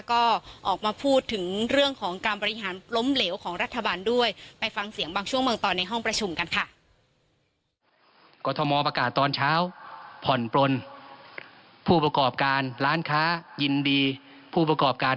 ก็ออกมาพูดถึงเรื่องของการบริหารล้มเหลวของรัฐบาลด้วยไปฟังเสียงบางช่วงบางตอนในห้องประชุมกันค่ะ